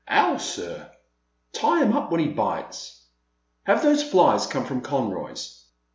'*'Ow, sir?" Tie him up when he bites. Have those flies come from Conroy's